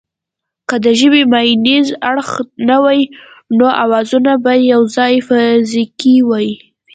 که د ژبې مانیز اړخ نه وای نو اوازونه به یواځې فزیکي وای